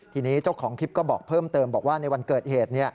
ทีนี้เจ้าของคลิปก็บอกเพิ่มเติมบอกว่าในวันเกิดเหตุ